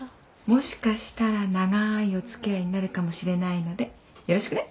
もしかしたら長いおつきあいになるかもしれないのでよろしくね。